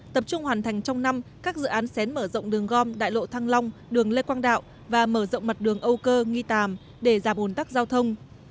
tập trung hoàn thành trong năm các dự án xén mở rộng đường gom đại lộ thăng long đường lê quang đạo và mở rộng mặt đường âu cơ nghi tàm để giảm ồn tắc giao thông